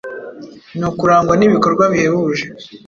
ni ukurangwa n’ibikorwa bihebuje,